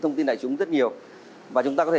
thông tin đại chúng rất nhiều và chúng ta có thể